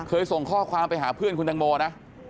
ส่งข้อความไปหาเพื่อนคุณตังโมนะ